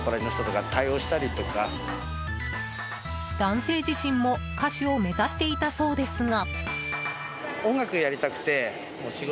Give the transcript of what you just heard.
男性自身も歌手を目指していたそうですが。